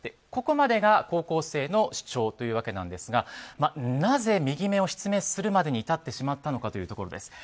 ここまでが高校生の主張というわけなんですがなぜ、右目を失明するまでに至ってしまったのかというところです。